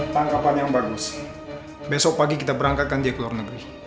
tangkapan yang bagus besok pagi kita berangkatkan dia ke luar negeri